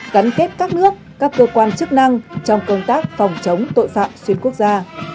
gắn kết các nước các cơ quan chức năng trong công tác phòng chống tội phạm xuyên quốc gia